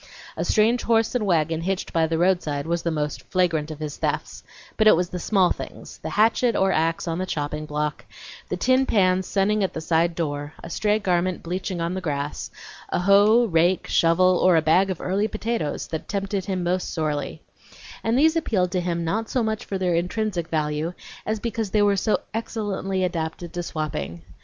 A strange horse and wagon hitched by the roadside was the most flagrant of his thefts; but it was the small things the hatchet or axe on the chopping block, the tin pans sunning at the side door, a stray garment bleaching on the grass, a hoe, rake, shovel, or a bag of early potatoes, that tempted him most sorely; and these appealed to him not so much for their intrinsic value as because they were so excellently adapted to swapping.